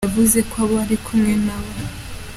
Yavuze ko abo ari kumwe na bo i